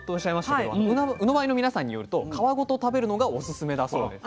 けどうのばいの皆さんによると皮ごと食べるのがおすすめだそうです。